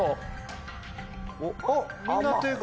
おっみんな手が。